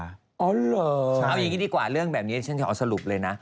เอาเหรอเอาอย่างนี้ดีกว่าเรื่องแบบนี้ฉันจะขอสรุปเลยนะ